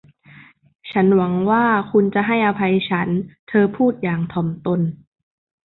ฉันหวังว่าคุณจะให้อภัยฉันเธอพูดอย่างถ่อมตน